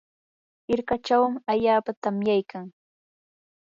hirkachaw allaapa tamyaykan.